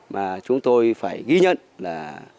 mà chúng tôi phải ghi nhận là